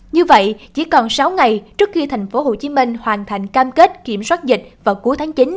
như vậy chỉ còn sáu ngày trước khi tp hcm hoàn thành cam kết kiểm soát dịch vào cuối tháng chín